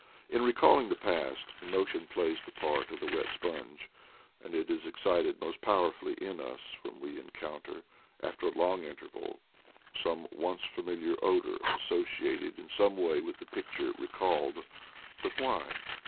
In recalling the past, emotion plays the part of the wet sponge, and it is excited most powerfully in us when we encounter, after a long interval, some once familiar odor associated in some way with the picture recalled. But why?